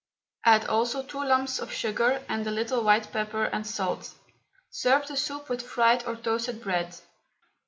Add also two lumps of sugar and a little white pepper and salt. Serve the soup with fried or toasted bread.